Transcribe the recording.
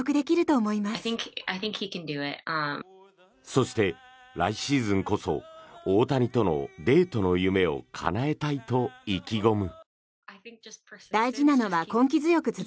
そして、来シーズンこそ大谷とのデートの夢をかなえたいと意気込む。